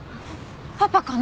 パパかな？